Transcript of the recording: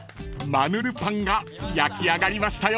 ［マヌルパンが焼き上がりましたよ］